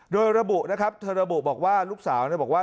โดยระบุนะครับเธอระบุบอกว่าลูกสาวบอกว่า